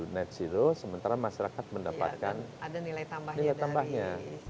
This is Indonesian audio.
menuju net zero sementara masyarakat mendapatkan nilai tambahnya